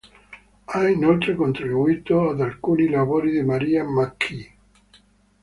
Ha inoltre contribuito ad alcuni lavori di Maria McKee.